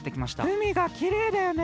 うみがきれいだよね。